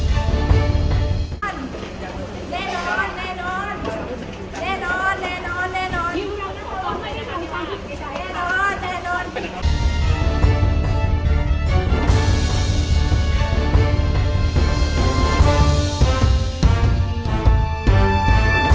เหล็นอร์หล่องหล่องหล่อง